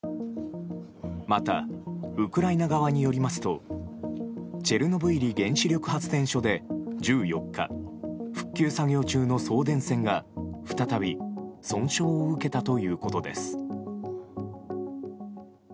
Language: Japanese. また、ウクライナ側によりますとチェルノブイリ原子力発電所で１４日復旧作業中の送電線が再び損傷を受けたということです。